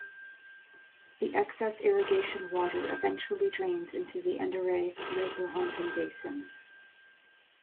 The excess irrigation water eventually drains into the endorheic Lake Lahontan Basin.